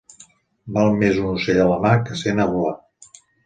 Val més un ocell a la mà que cent a volar.